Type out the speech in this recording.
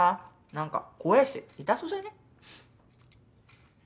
何か怖えし痛そうじゃね？